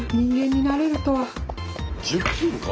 １０分か！